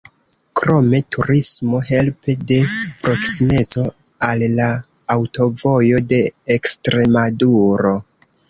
Krome turismo helpe de proksimeco al la Aŭtovojo de Ekstremaduro.